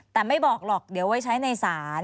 แต่ไม่บอกหรอกเดี๋ยวไว้ใช้ในศาล